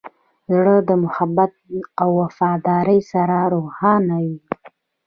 زړه د محبت او وفادارۍ سره روښانه وي.